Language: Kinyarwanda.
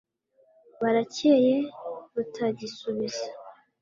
barekeye, batagisubiza